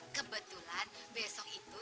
kebetulan besok itu